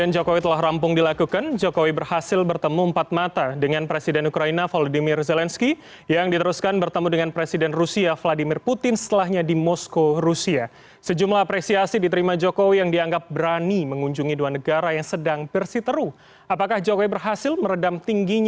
jokowi berhasil bertemu dengan presiden ukraina volodymyr zelensky